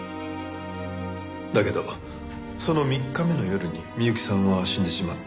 だけどその３日目の夜に美由紀さんは死んでしまった。